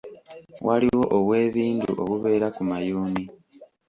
Waliwo obwebindu obubeera ku mayuuni.